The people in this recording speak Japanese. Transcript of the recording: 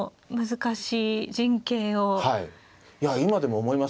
いや今でも思います